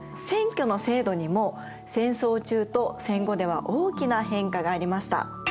選挙の制度にも戦争中と戦後では大きな変化がありました。